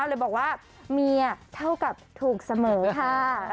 เลยบอกว่าเมียเท่ากับถูกเสมอค่ะ